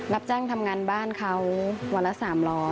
รับจ้างทำงานบ้านเขาวันละ๓๐๐